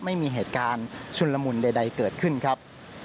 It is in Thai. ไม่มีเหตุการณ์ชุนละมุนใดเกิดขึ้นครับ